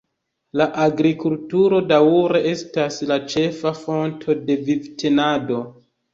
La agrikulturo daŭre estas la ĉefa fonto de vivtenado.